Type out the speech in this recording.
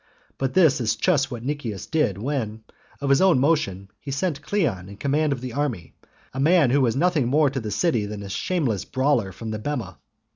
But this is just what Nicias did when, of his own motion, he set Cleon in command of the army, a man who was nothing more to the city than a shameless brawler from the bema.